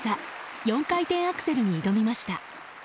４回転アクセルに挑みました。